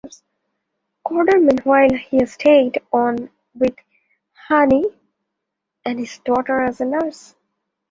Corder, meanwhile, has stayed on with Honey and his daughter as a nurse.